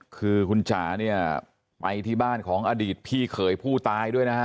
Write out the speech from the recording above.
คือคุณจ๋าเนี่ยไปที่บ้านของอดีตพี่เขยผู้ตายด้วยนะฮะ